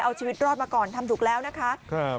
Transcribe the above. เอาชีวิตรอดมาก่อนทำถูกแล้วนะคะ